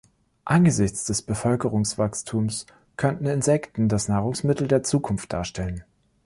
Angesichts des Bevölkerungswachstums könnten Insekten das Nahrungsmittel der Zukunft darstellen.